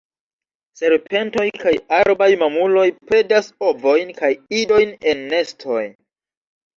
Serpentoj kaj arbaj mamuloj predas ovojn kaj idojn en nestoj.